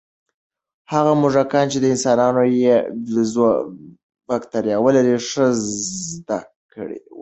هغه موږکان چې د انسان یا بیزو بکتریاوې لري، ښه زده کړه وکړه.